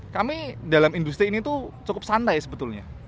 kami dalam industri ini tuh cukup santai sebetulnya